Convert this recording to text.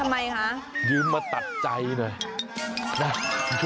ทำไมคะเพื่อกำลังมาตัดใจหน่อย